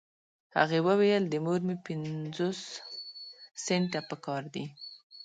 هغې وويل د مور مې پنځوس سنټه پهکار دي.